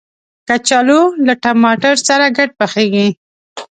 کچالو له ټماټر سره ګډ پخیږي